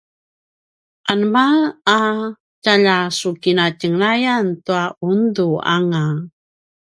anema a tjalja su kinatjenglayan tua undu anga?